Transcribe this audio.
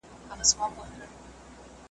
چي یې سرونه د بګړۍ وړ وه `